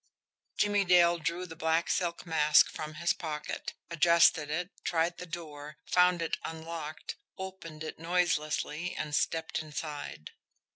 Jimmie Dale drew the black silk mask from his pocket, adjusted it, tried the door, found it unlocked, opened it noiselessly, and stepped inside.